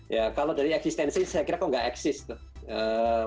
ya kalau dari eksistensi saya kira kok nggak eksis tuh